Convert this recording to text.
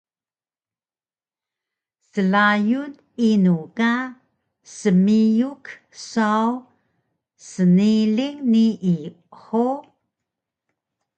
Slayun inu ka smiyuk saw sniling nii hug?